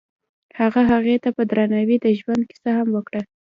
هغه هغې ته په درناوي د ژوند کیسه هم وکړه.